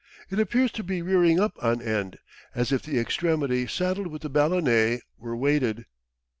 It appears to be rearing up on end, as if the extremity saddled with the ballonet were weighted.